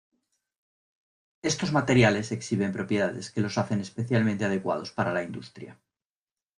Estos materiales exhiben propiedades que los hacen especialmente adecuados para la industria.